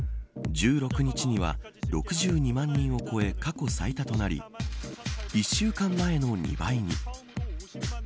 １６日には６２万人を超え過去最多となり１週間前の２倍に。